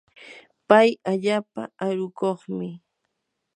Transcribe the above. pay allaapa arukuqmi.